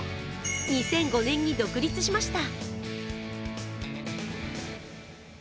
２００５年に独立しました。